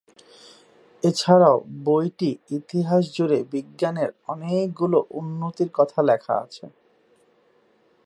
এছাড়াও, বইটি ইতিহাস জুড়ে বিজ্ঞানের অনেকগুলি উন্নতির কথা লেখা হয়েছে।